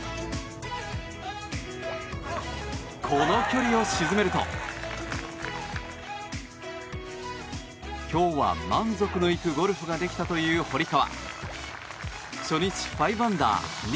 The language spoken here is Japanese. この距離を沈めると、今日は満足のいくゴルフができたという堀川。